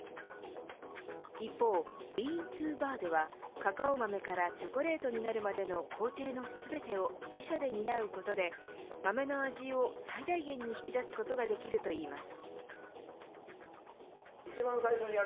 一方ＢｅａｎｔｏＢａｒではカカオ豆からチョコレートになるまでの工程の全てを自社で担うことで豆の味を最大限に引き出すことができるといいます。